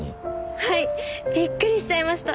はい！びっくりしちゃいました。